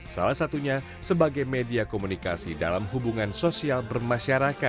salah satunya sebagai media komunikasi dalam hubungan sosial bermasyarakat